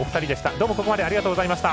どうもここまでありがとうございました。